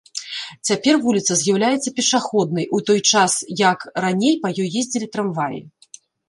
Цяпер вуліца з'яўляецца пешаходнай, у той час як раней па ёй ездзілі трамваі.